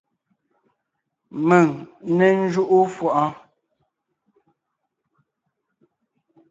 Mèŋ n né ńjúʼu fʉʼɔɔn!